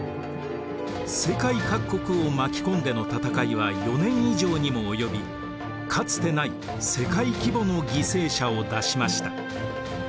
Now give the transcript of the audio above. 世界各国を巻き込んでの戦いは４年以上にも及びかつてない世界規模の犠牲者を出しました。